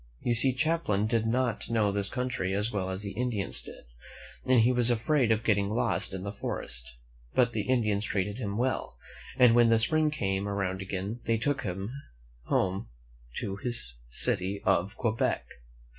You see, Champlain did not know this country as well as the Indians did, and he was afraid of getting lost in the forest; but the Indians treated him well, and when the spring came around again they took him home to his city of Quebec.